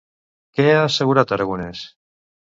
Què ha assegurat Aragonès?